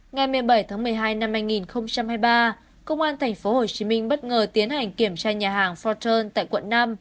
ngày một mươi bảy một mươi hai hai nghìn hai mươi ba công an tp hcm bất ngờ tiến hành kiểm tra nhà hàng fortearn tại quận năm